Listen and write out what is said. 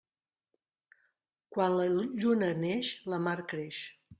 Quan la lluna neix, la mar creix.